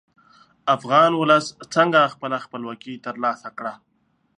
افغان ولس څنګه خپله خپلواکي تر لاسه کړه.